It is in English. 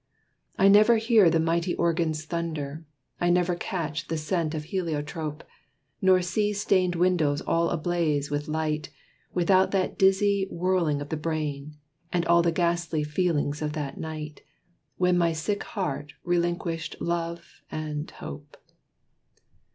I never hear the mighty organ's thunder, I never catch the scent of heliotrope, Nor see stained windows all ablaze with light, Without that dizzy whirling of the brain, And all the ghastly feeling of that night, When my sick heart relinquished love and hope.